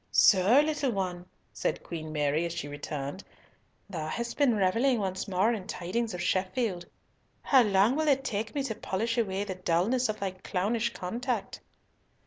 "So, little one," said Queen Mary, as she returned, "thou hast been revelling once more in tidings of Sheffield! How long will it take me to polish away the dulness of thy clownish contact?"